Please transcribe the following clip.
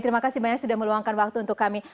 terima kasih banyak sudah meluangkan waktu untuk kami